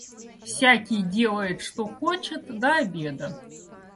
Всякий делает что хочет до обеда.